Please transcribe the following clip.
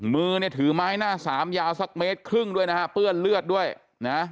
มือเนี่ยถือไม้หน้าสามยาวสักเมตรครึ่งด้วยนะฮะเปื้อนเลือดด้วยนะ